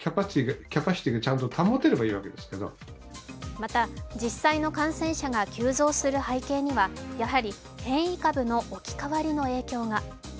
また、実際の感染者が急増する背景にはやはり変異株の置き換わりの影響が。